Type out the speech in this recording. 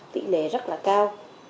tỷ lệ rất là cao